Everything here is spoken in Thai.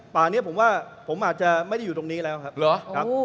ป่านี้ผมว่าผมอาจจะไม่ได้อยู่ตรงนี้แล้วครับ